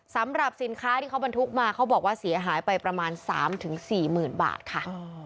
สำหรับสินค้าที่เขาบรรทุกมาเขาบอกว่าเสียหายไปประมาณ๓๔๐๐๐บาทค่ะ